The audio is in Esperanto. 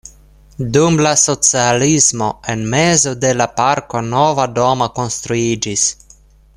Dum la socialismo en mezo de la parko nova domo konstruiĝis.